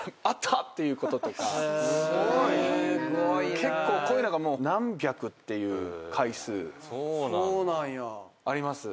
結構こういうのが何百っていう回数あります。